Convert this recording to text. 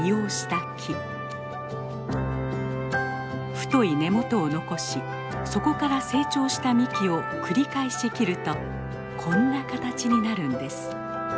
太い根元を残しそこから成長した幹を繰り返し切るとこんな形になるんです。